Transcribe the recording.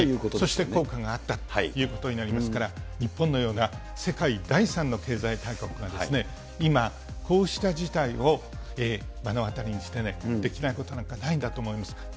そして効果があったということになりますから、日本のような世界第３の経済大国が今、こうした事態を目の当たりにして、できないことなんかないんだと思います。